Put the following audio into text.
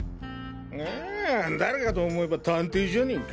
あ誰かと思えば探偵じゃねか。